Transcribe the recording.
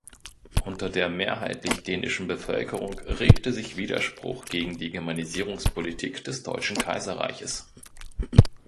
Unter der mehrheitlich dänischen Bevölkerung regte sich Widerspruch gegen die Germanisierungspolitik des deutschen Kaiserreiches.